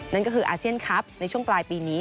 นั่นก็คืออาเซียนครับในช่วงปลายปีนี้